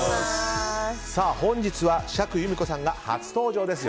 本日は釈由美子さんが初登場です。